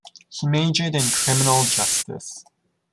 He majored in criminal justice.